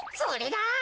それだ！